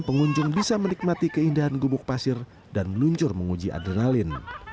pengunjung bisa menikmati keindahan gubuk pasir dan meluncur menguji adrenalin